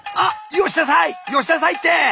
よしなさいって！